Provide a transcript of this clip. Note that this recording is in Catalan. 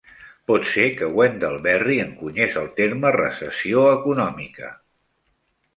Pot ser que Wendell Berry encunyés el terme "recessió econòmica".